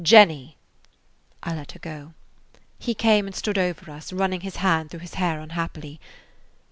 "Jenny!" I let her go. He came and stood over us, running his hand through his hair unhappily.